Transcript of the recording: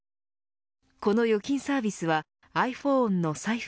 この預金サービスはｉＰｈｏｎｅの財布